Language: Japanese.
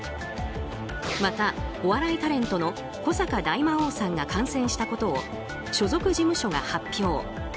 また、お笑いタレントの古坂大魔王さんが感染したことを所属事務所が発表。